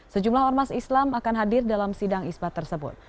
sejumlah ormas islam akan hadir dalam sidang isbat tersebut